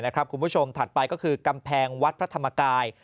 คุณผู้ชมถัดไปก็คือกำแพงวัดพระธรรมกาย